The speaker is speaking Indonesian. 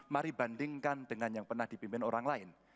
mari bandingkan dengan yang pernah dipimpin orang lain